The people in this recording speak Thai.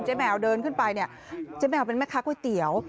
เจ๊แมวเดินขึ้นไปเจ๊แมวเป็นแม่คะก๋วยเตี๋ยว